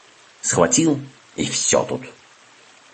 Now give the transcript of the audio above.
Схватил и всё тут.